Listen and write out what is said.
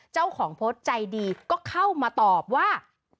เจ้าของโพสต์ใจดีก็เข้ามาตอบว่า